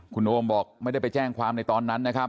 คุณโอมบอกไม่ได้ไปแจ้งความในตอนนั้นนะครับ